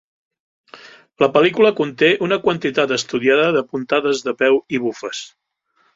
La pel·lícula conté una quantitat estudiada de puntades de peu i bufes.